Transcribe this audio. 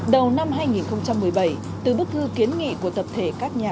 đầu năm hai nghìn một mươi bảy từ bức thư kiến nghị của tập thể các nhà